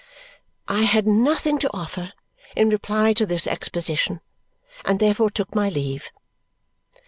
I had nothing to offer in reply to this exposition and therefore took my leave.